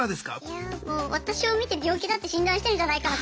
いやあもう私を診て病気だって診断してんじゃないかな